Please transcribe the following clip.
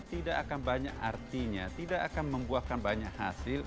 tidak akan banyak artinya tidak akan membuahkan banyak hasil